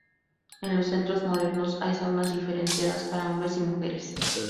En los centros modernos hay saunas diferenciadas para hombres y mujeres.